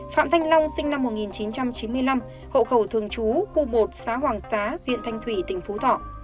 phạm thanh long sinh năm một nghìn chín trăm chín mươi năm hộ khẩu thường trú khu một xã hoàng xá huyện thanh thủy tỉnh phú thọ